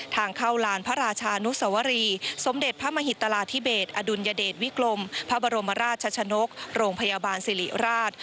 ทางเข้าลานพระราชานุสวรีสมเด็จพระมหิตราธิเบสอดุลยเดชวิกลมพระบรมราชชนกโรงพยาบาลสิริราช